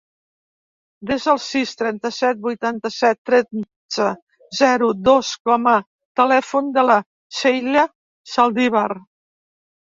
Desa el sis, trenta-set, vuitanta-set, tretze, zero, dos com a telèfon de la Sheila Zaldivar.